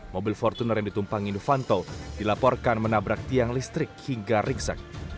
mobil fortuner yang ditumpangi novanto dilaporkan menabrak tiang listrik hingga ringsek